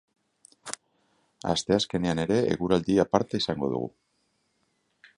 Asteazkenean ere eguraldi aparta izango dugu.